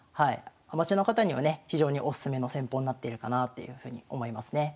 アマチュアの方にはね非常におすすめの戦法になっているかなっていうふうに思いますね。